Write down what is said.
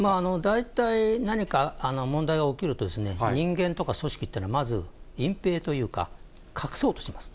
大体何か問題が起きると、人間とか組織っていうのは、まず隠蔽というか、隠そうとします。